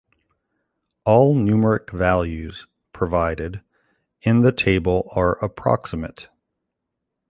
All numeric values provided in the table are approximate.